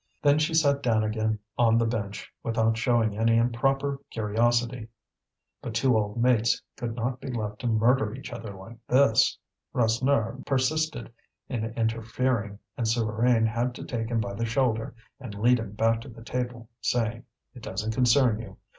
Then she sat down again on the bench, without showing any improper curiosity. But two old mates could not be left to murder each other like this. Rasseneur persisted in interfering, and Souvarine had to take him by the shoulder and lead him back to the table, saying: "It doesn't concern you.